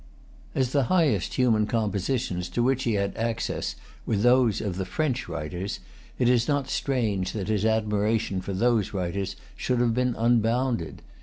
As the highest human compositions to which he had access were those of the French writers, it is not strange that his admiration for those writers should have been unbounded.